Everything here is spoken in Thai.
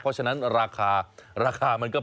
เพราะฉะนั้นราคามันก็ปลอดภัยนะครับ